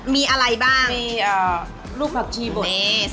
มีอะไรบ้างมีอ่าเพลิงผักชีบรส